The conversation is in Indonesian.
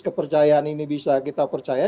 kepercayaan ini bisa kita percaya